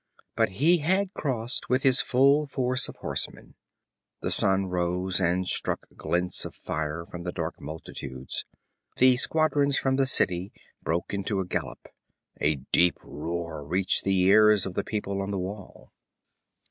But he had crossed with his full force of horsemen. The sun rose and struck glints of fire from the dark multitudes. The squadrons from the city broke into a gallop; a deep roar reached the ears of the people on the wall.